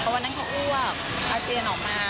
วันนั้นเขาอ้วกอาเจียนออกมา